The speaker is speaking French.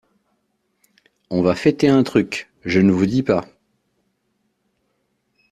On va fêter un truc, je ne vous dis pas…